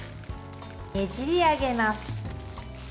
ねじり上げます。